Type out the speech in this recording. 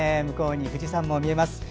向こうに富士山も見えます。